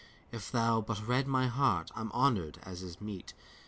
If thou but read my heart, I'm honored as is meet.